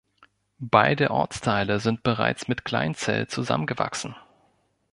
Beide Ortsteile sind bereits mit Kleinzell zusammengewachsen.